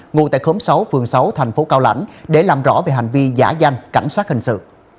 ngụ tại khóm sáu phường sáu thành phố cao lãnh để làm rõ về hành vi giả danh cảnh sát hình sự